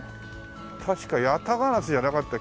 確か八咫烏じゃなかった？